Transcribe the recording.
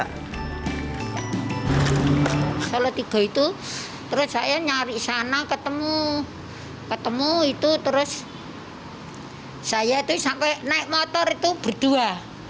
solo tiga itu terus saya nyari sana ketemu ketemu itu terus saya itu sampai naik motor itu berdua